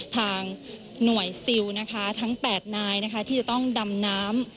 ทางหน่วยซิลนะคะทั้ง๘นายนะคะที่จะต้องดำน้ำ